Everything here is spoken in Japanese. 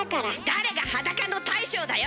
誰が裸の大将だよ！